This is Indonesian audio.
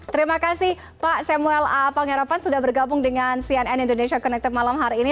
terima kasih pak samuel a pangeran sudah bergabung dengan cnn indonesia connected malam hari ini